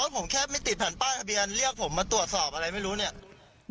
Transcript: ผมแค่ไม่ติดแผ่นป้ายทะเบียนเรียกผมมาตรวจสอบอะไรไม่รู้เนี่ย